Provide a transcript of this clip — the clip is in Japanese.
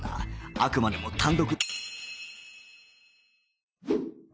あくまでも単独